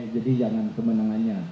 jadi jangan kemenangannya